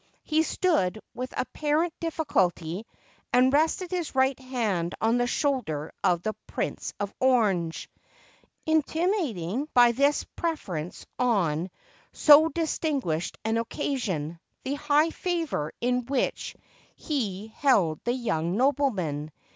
He stood with apparent diffi culty, and rested his right hand on the shoulder of the Prince of Orange, — intimating by this preference on so distinguished an occasion, the high favor in which he held the young nobleman.